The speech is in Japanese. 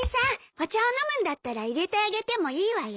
お茶を飲むんだったら入れてあげてもいいわよ。